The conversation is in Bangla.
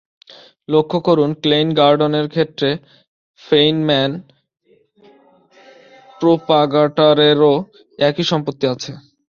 লক্ষ করুন, ক্লেইন-গর্ডন ক্ষেত্রের ফেইনম্যান প্রোপাগাটারেরও একই সম্পত্তি আছে।